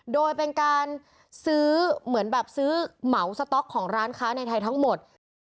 โดยเป็นการซื้อเหมือนแบบซื้อเหมาสต๊อกของร้านค้าในไทยทั้งหมด